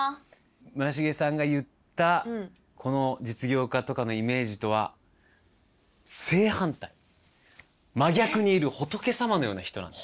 村重さんが言った実業家とかのイメージとは正反対真逆にいる仏様のような人なんです。